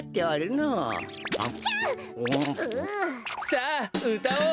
さあうたおう！